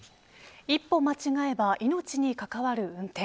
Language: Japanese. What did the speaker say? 一歩間違えば命に関わる運転。